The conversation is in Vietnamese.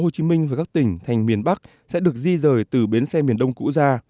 tp hcm và các tỉnh thành miền bắc sẽ được di rời từ bến xe miền đông cũ ra